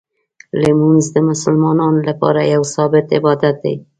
لمونځ د مسلمانانو لپاره یو ثابت عبادت دی.